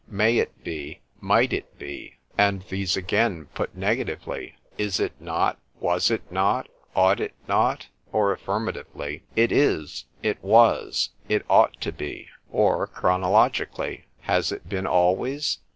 May it be? Might it be?_ And these again put negatively, Is it not? Was it not? Ought it not?—Or affirmatively,—It is; It was; It ought to be. Or chronologically,—_Has it been always?